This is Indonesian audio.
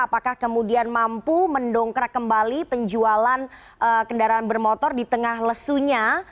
apakah kemudian mampu mendongkrak kembali penjualan kendaraan bermotor di tengah lesunya